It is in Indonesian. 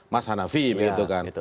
mas hanafim gitu kan